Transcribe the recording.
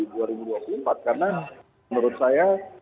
karena menurut saya